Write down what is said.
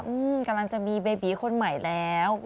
อืมกำลังจะมีเบบีคนใหม่แล้ว